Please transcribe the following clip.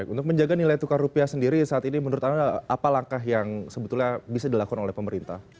untuk menjaga nilai tukar rupiah sendiri saat ini menurut anda apa langkah yang sebetulnya bisa dilakukan oleh pemerintah